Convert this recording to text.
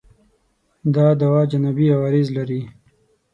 دا دوا جانبي عوارض لري؟